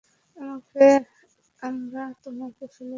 আমরা তোমাকে ফেলে যাবো না।